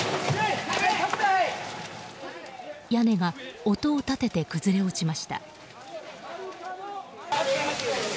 屋根が音を立てて崩れ落ちました。